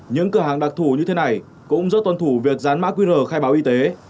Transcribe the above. những cửa hàng đặc thủ như thế này cũng rất tuân thủ việc dán mã qr khai báo y tế